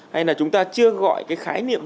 hay là chúng ta chưa gọi cái khái niệm